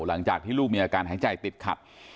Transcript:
หลังจากที่ลูกมีอาการหายใจติดขัด